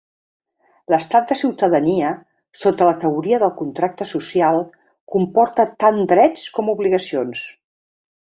L"estat de ciutadania, sota la teoria del contracte social, comporta tant drets com obligacions.